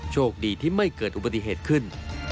โชคดีที่ไม่เกิดอุบัติเหตุขึ้น